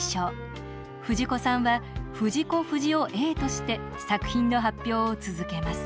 藤子さんは藤子不二雄として作品の発表を続けます。